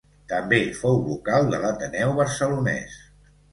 També fou vocal de l'Ateneu Barcelonès.